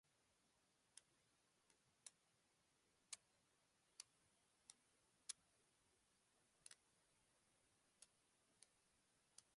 তিন মৌসুম ওয়ারউইকশায়ারের পক্ষে খেললেও তেমন বর্ণাঢ্যময় ছিল না।